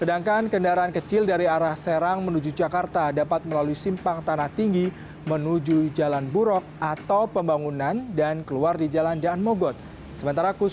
untuk kendaraan kecil dari arah serang menuju jakarta dapat melalui jalan tanggerang jakarta dikarenakan ruas jalan yang tidak memandai dan mengantisipasi kepentingan pemasangan